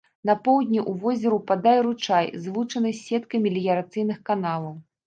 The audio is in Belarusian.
На поўдні ў возера ўпадае ручай, злучаны з сеткай меліярацыйных каналаў.